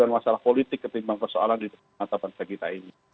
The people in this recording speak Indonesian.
masalah politik ketimbang persoalan di mata mata kita ini